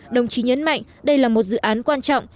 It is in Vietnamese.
đồng chí nhấn mạnh đây là một dự án quan trọng